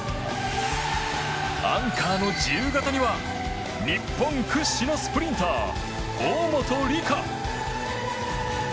アンカーの自由形には日本屈指のスプリンター大本里佳。